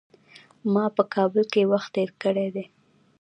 ما په کابل کي وخت تېر کړی دی .